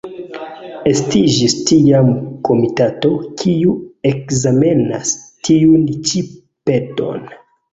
Estiĝis tiam komitato, kiu ekzamenas tiun-ĉi peton.